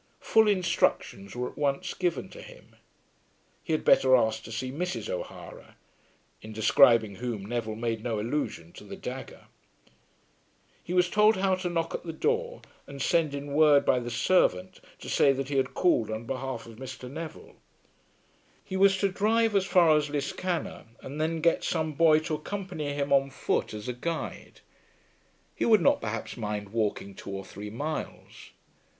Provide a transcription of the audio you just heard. Full instructions were at once given to him. He had better ask to see Mrs. O'Hara, in describing whom Neville made no allusion to the dagger. He was told how to knock at the door, and send in word by the servant to say that he had called on behalf of Mr. Neville. He was to drive as far as Liscannor, and then get some boy to accompany him on foot as a guide. He would not perhaps mind walking two or three miles.